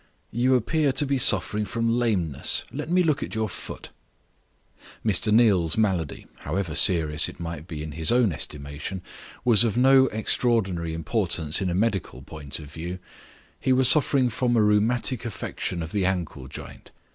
"You appear to be suffering from lameness; let me look at your foot." Mr. Neal's malady, however serious it might be in his own estimation, was of no extraordinary importance in a medical point of view. He was suffering from a rheumatic affection of the ankle joint.